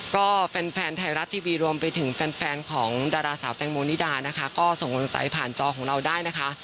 ก็แฟนไทยรัฐทีวีรวมไปถึงแฟนของดาราสาวแตงโมนิดานะคะก็ส่งกำลังใจผ่านจอของเราได้นะคะ